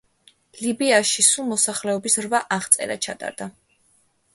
ლიბიაში სულ მოსახლეობის რვა აღწერა ჩატარდა.